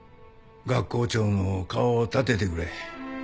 学校長の顔を立ててくれ。